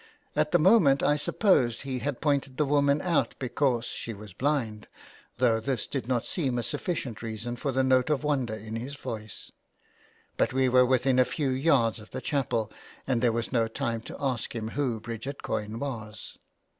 At the moment I supposed he had pointed the woman out because she was blind, though this did not seem a sufficient reason for the note of wonder in his voice ; but we were within a few yards of the chapel and there was no time to ask him who Bridget Coyne was.